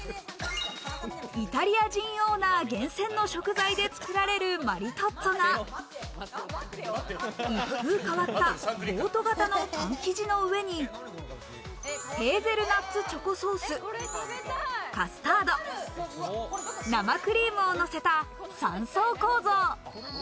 イタリア人オーナー厳選で食材で作られるマリトッツォは、一風変わったボート型のパン生地の上にヘーゼルナッツチョコソース、カスタード、生クリームをのせた３層構造。